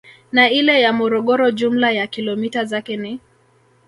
Na ile ya Morogoro jumla ya kilomita zake ni